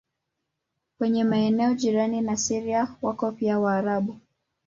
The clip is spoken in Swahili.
Kwenye maeneo jirani na Syria wako pia Waarabu.